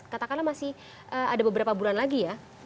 katakanlah masih ada beberapa bulan lagi ya